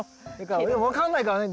分かんないからね。